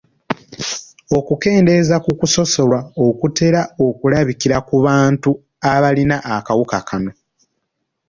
Okukendeeza ku kusosolwa okutera okulabikira ku bantu abalina akawuka kano.